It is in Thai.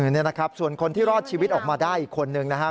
นี่นะครับส่วนคนที่รอดชีวิตออกมาได้อีกคนนึงนะครับ